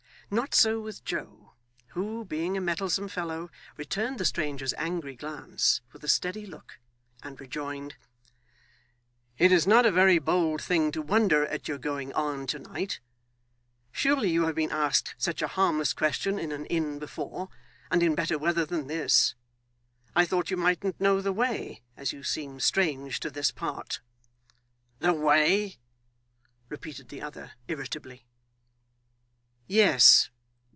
Not so with Joe, who, being a mettlesome fellow, returned the stranger's angry glance with a steady look, and rejoined: 'It is not a very bold thing to wonder at your going on to night. Surely you have been asked such a harmless question in an inn before, and in better weather than this. I thought you mightn't know the way, as you seem strange to this part.' 'The way ' repeated the other, irritably. 'Yes.